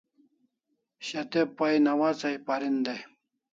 Shat'e pay nawats ai parin dai